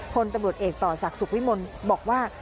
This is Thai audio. คนตรรมหัวแตกต่อสัทธิ์สุขวิมลบอกว่า